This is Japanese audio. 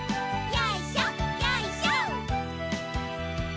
よいしょよいしょ。